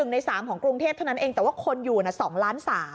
ใน๓ของกรุงเทพเท่านั้นเองแต่ว่าคนอยู่๒ล้าน๓